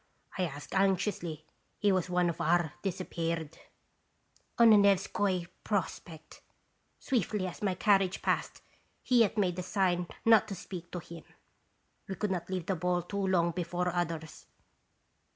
I asked anxiously; he was one of our 'disappeared.' "'On the Nevskoi Prospect. Swiftly as my carriage passed, he yet made the sign not to speak to him.* "We could not leave the ball too long be fore others."